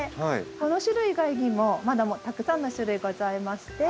この種類以外にもまだたくさんの種類がございまして。